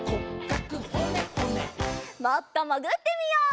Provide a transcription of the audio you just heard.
もっともぐってみよう。